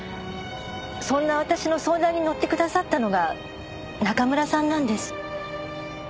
そんな私の相談にのってくださったのが中村さんなんです。